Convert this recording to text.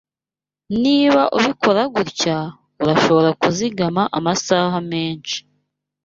Niba ubikora gutya, urashobora kuzigama amasaha menshi.